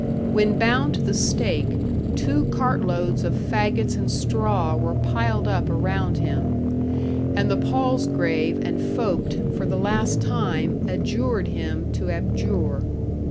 When bound to the stake, two cartloads of fagots and straw were piled up around him, and the palsgrave and vogt for the last time adjured him to abjure.